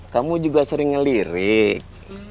kamu juga sering ngelirik